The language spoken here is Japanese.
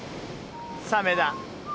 サメだ。